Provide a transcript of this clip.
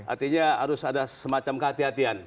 artinya harus ada semacam kehatian